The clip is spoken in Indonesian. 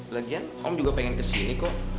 lagian om juga pengen ke sini kok